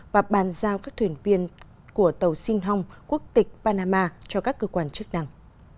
và bàn giao các thuyền viên của tàu sinh hong quốc tịch panama cho các cơ quan chức năng